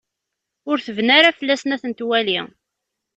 Ur tebni ara fell-asen ad ten-twali.